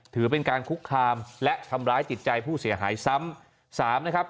ถือเป็นการคุกคามและทำร้ายจิตใจผู้เสียหายซ้ำนะครับ